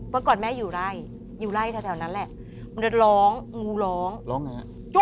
เมื่อก่อนแม่อยู่ไล่อยู่ไล่แถวนั้นแหละ